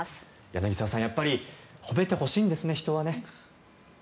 柳澤さん、やっぱり褒めてほしいんですね、人は。